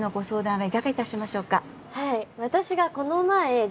はい。